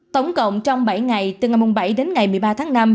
tổng cộng trong bảy ngày từ ngày bảy đến ngày một mươi ba tháng năm